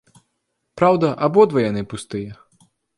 Праўда, абодва яны пустыя.